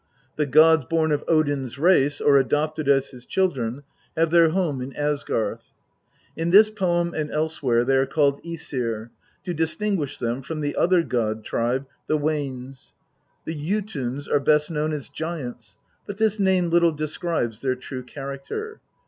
The gods born of Odin's race, or adopted as his children, have their home in Asgarth. In this poem and elsewhere they are called ^Esir, to distinguish them from the 'other god tribe, the Wanes. The Jotuns are best known as giants, but this name little describes their true character.